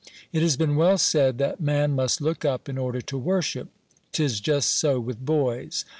It has been well said, that man must look up in order to worship; 'tis just so with boys.